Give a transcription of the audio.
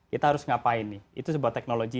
kita harus ngapain nih itu sebuah teknologi